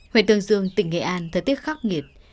huệ tường dương tỉnh nghệ an thời tiết khắc nghiệt